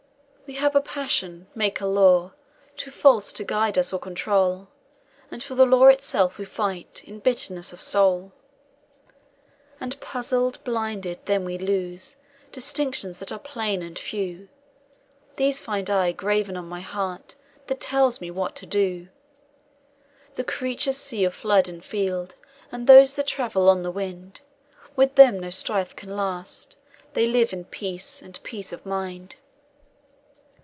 "We have a passion, make a law, Too false to guide us or control; And for the law itself we fight In bitterness of soul. "And puzzled, blinded, then we lose Distinctions that are plain and few; These find I graven on my heart, That tells me what to do. "The creatures see of flood and field, And those that travel on the wind With them no strife can last; they live In peace, and peace of mind.